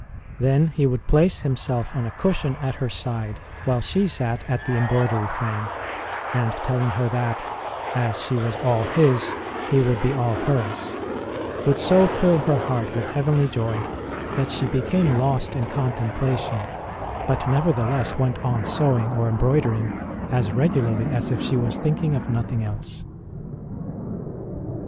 Then He would place Him self on a cushion at her side while she sat at the embroidery frame, and, telling her that, as she was all His, He would be all hers, would so fill her heart with heavenly joy that she became lost in contemplation, but nevertheless went on sew ing or embroidering as regularly as if she was thinking of nothing else.